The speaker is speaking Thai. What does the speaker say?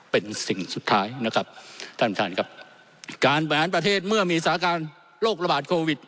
เป็นสิ่งสุดท้ายนะครับท่านประธานครับการแหวนประเทศเมื่อมีสาการโรคระบาดโควิด